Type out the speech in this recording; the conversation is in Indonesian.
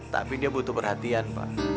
tapi dia butuh perhatian pak